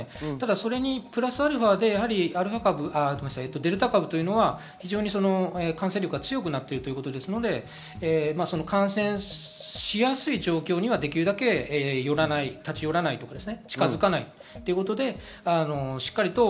それにプラスアルファでデルタ株というのは非常に感染力が強くなっているということですので、感染しやすい状況には、できるだけ立ち寄らないということです。